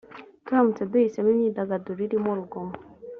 turamutse duhisemo imyidagaduro irimo urugomo